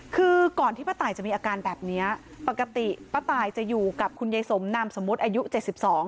คือก่อนที่ป้าตายจะมีอาการแบบเนี้ยปกติป้าตายจะอยู่กับคุณยายสมนามสมมุติอายุเจ็ดสิบสอง